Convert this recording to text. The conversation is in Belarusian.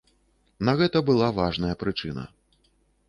На гэта была важная прычына.